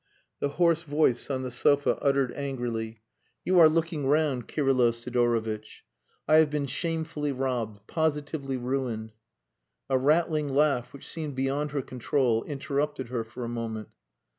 The hoarse voice on the sofa uttered angrily "You are looking round, Kirylo Sidorovitch. I have been shamefully robbed, positively ruined." A rattling laugh, which seemed beyond her control, interrupted her for a moment.